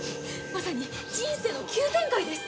まさに人生の急展開です！